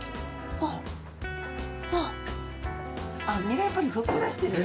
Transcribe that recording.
あっ身がやっぱりふっくらしてる。